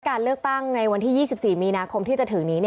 การเลือกตั้งในวันที่๒๔มีนาคมที่จะถึงนี้